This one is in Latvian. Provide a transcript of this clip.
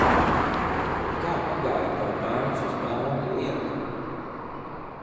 "Kā pagāja tava "melns uz melna" lieta?"